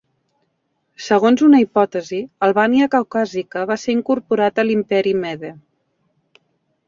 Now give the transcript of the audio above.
Segons una hipòtesi, Albània caucàsica va ser incorporat a l'Imperi Mede.